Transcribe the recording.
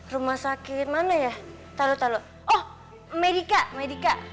rumah sakit mana ya talo talo oh medica medica